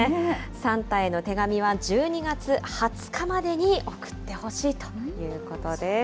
サンタへの手紙は１２月２０日までに送ってほしいということです。